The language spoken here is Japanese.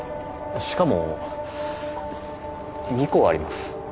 しかも２個あります。